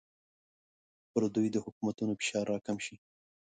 پر دوی د حکومتونو فشار راکم شي.